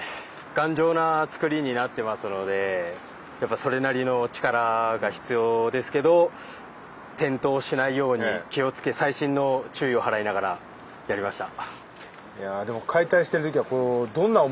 頑丈な作りになってますのでやっぱそれなりの力が必要ですけど転倒しないように気をつけ細心の注意を払いながらやりました。